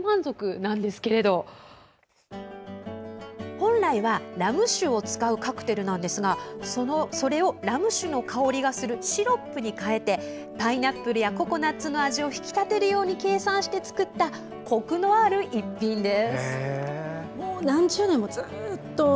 本来はラム酒を使うカクテルですがそれを、ラム酒の香りがするシロップに変えてパイナップルやココナツの味を引き立てるように計算して作ったこくのある一品です。